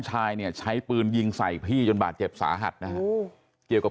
ชายเนี่ยใช้ปืนยิงใส่พี่จนบาดเจ็บสาหัสนะฮะเกี่ยวกับ